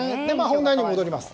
本題に戻ります。